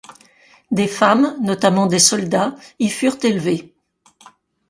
Des femmes, notamment des soldats, y furent élevées.